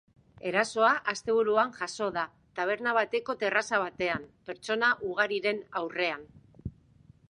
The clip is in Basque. Erasoa asteburuan jazo da, taberna bateko terraza batean, pertsona ugariren aurrean.